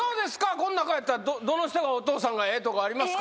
この中やったらどの人がお父さんがええとかありますか？